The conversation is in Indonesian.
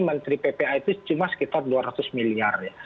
menteri ppa itu cuma sekitar dua ratus miliar ya